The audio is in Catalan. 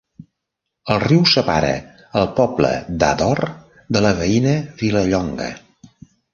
El riu separa el poble d'Ador de la veïna Vilallonga.